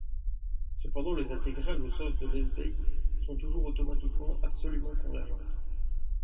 Cependant les intégrales au sens de Lebesgue sont toujours automatiquement absolument convergentes.